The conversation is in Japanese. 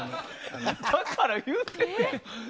だから言うてんねん！